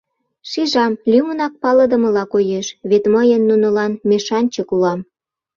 Шижам, лӱмынак палыдымыла коеш, вет мый нунылан мешанчык улам.